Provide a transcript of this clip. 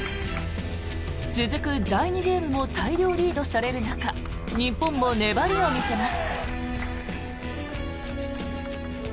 続く第２ゲームも大量リードされる中日本も粘りを見せます。